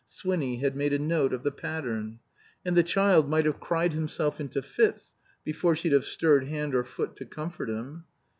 (Swinny had made a note of the pattern.) And the child might have cried himself into fits before she'd have stirred hand or foot to comfort him.